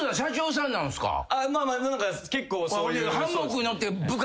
まあまあ結構そういう。